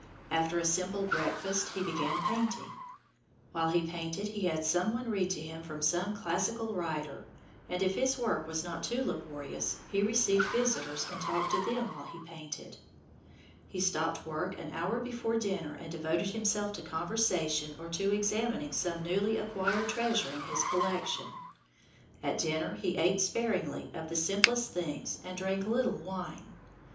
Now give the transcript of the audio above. After a simple breakfast he began painting. While he painted he had some one read to him from some classical writer, and if his work was not too laborious, he received visitors and talked to them while he painted. He stopped work an hour before dinner and devoted himself to conversation or to examining some newly acquired treasure in his collection. At dinner he ate sparingly of the simplest things and drank little wine.